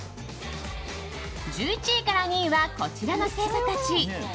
１１位から２位はこちらの星座たち。